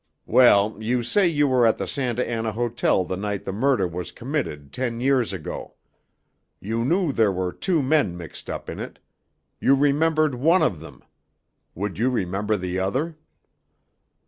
Well, you say you were at the Santa Anna Hotel the night the murder was committed ten years ago. You knew there were two men mixed up in it. You remembered one of them; would you remember the other?"